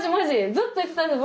ずっと言ってたんです